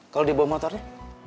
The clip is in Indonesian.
kalau di bawah motornya